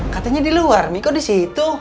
katanya diluar mi kok disitu